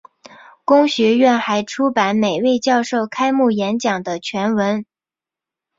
公学院还出版每位教授开幕演讲的全文。